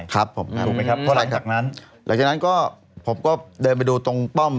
ครับผมถูกไหมครับเพราะหลังจากนั้นหลังจากนั้นก็ผมก็เดินไปดูตรงป้อม